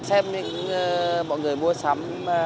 xem những mọi người mua sắm